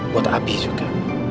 buat abi juga